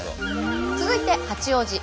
続いて八王子。